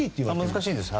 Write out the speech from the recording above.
難しいです。